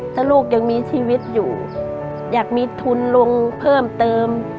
ถ้าลูกยังมีชีวิตอยู่อยากมีทุนลงเพิ่มเติม